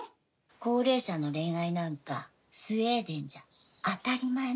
高齢者の恋愛なんかスウェーデンじゃ当たり前の事よ。